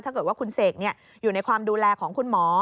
ถ้าเกิดว่าคุณเสกอยู่ในความดูแลของคุณหมอ